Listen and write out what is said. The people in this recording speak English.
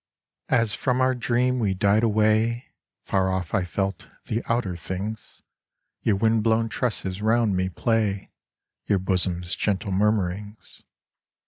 AS from our dream we died away Far off I felt the outer things ; Your wind blown tresses round me play, Your bosom's gentle murmurings.